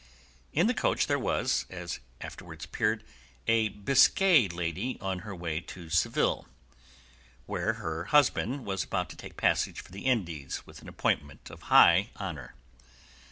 In the coach there was, as afterwards appeared, a Biscay lady on her way to Seville, where her husband was about to take passage for the Indies with an appointment of high honour.